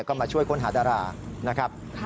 ก็มาช่วยค้นหาดารานะครับ